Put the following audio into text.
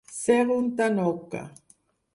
Ser un tanoca.